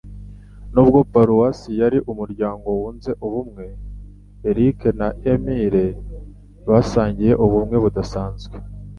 Nubwo Paruwasi yari umuryango wunze ubumwe, Eric na Emily basangiye ubumwe budasanzwe.